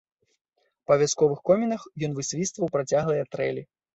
Па вясковых комінах ён высвістваў працяглыя трэлі.